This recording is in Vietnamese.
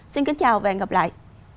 xin kính chào và hẹn gặp lại